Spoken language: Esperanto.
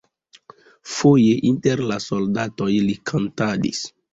Foje inter la soldatoj li kantadis.